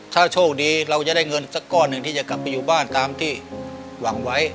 ถ้าโชคดีเราจะได้เงินสักก้อนหนึ่งที่จะกลับไปอยู่บ้านตามที่หวังไว้